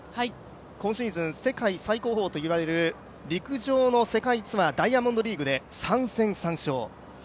今シーズン世界最高峰といわれる陸上のダイヤモンドリーグで３戦３勝。